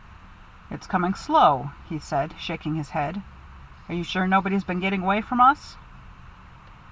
"It's coming slow," he said, shaking his head. "Are you sure nobody's been getting away from us?"